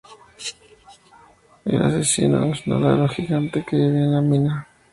El asesino es una larva gigante, que vivía en la mina.